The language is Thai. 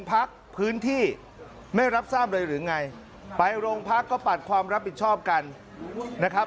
พักพื้นที่ไม่รับทราบเลยหรือไงไปโรงพักก็ปัดความรับผิดชอบกันนะครับ